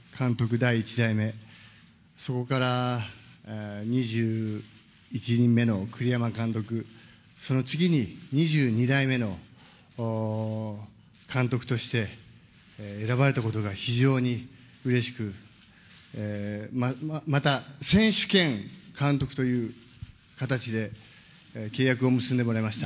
第１代目、そこから２１人目の栗山監督、その次に、２２代目の監督として選ばれたことが非常にうれしく、また、選手兼監督という形で、契約を結んでもらいました。